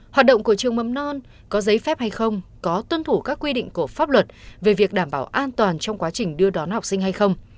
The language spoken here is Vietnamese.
hoạt động của trường mầm non có giấy phép hay không có tuân thủ các quy định của pháp luật về việc đảm bảo an toàn trong quá trình đưa đón học sinh hay không